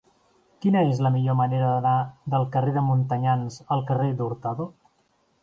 Quina és la millor manera d'anar del carrer de Montanyans al carrer d'Hurtado?